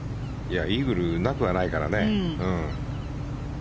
イーグルなくはないからね。